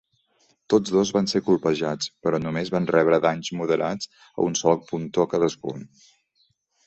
Tots dos van ser colpejats, però només van rebre danys moderats a un sol pontó cadascun.